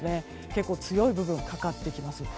結構、強い部分がかかってきます。